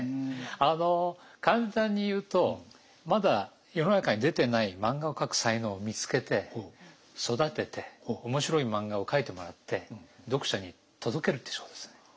あの簡単に言うとまだ世の中に出てない漫画を描く才能を見つけて育てて面白い漫画を描いてもらって読者に届けるって仕事です。